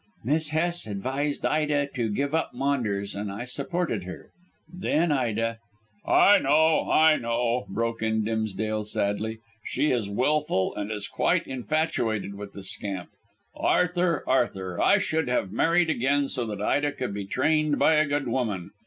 "Miss Hest advised Ida to give up Maunders, and I supported her. Then Ida " "I know, I know," broke in Dimsdale sadly. "She is wilful and is quite infatuated with the scamp. Arthur, Arthur, I should have married again, so that Ida could be trained by a good woman.